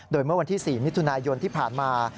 โดยเมื่อวันที่๔มิถุนายนที่ผ่านมา